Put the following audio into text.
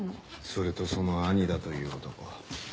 それとその兄だという男。